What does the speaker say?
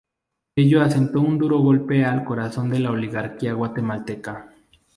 Ello asestó un duro golpe al corazón de la oligarquía guatemalteca.